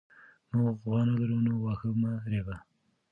موږ غوا نه لرو نو واښه مه رېبه.